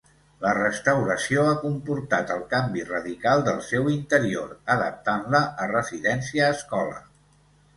La restauració ha comportat el canvi radical del seu interior, adaptant-la a residència escola.